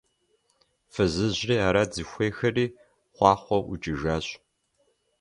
Фызыжьри арат зыхуеиххэри, хъуахъуэу ӀукӀыжащ.